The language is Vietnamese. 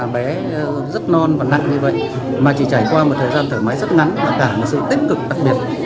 bé rất non và nặng như vậy mà chỉ trải qua một thời gian thoải mái rất ngắn và cả một sự tích cực đặc biệt